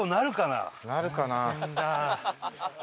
なるかな？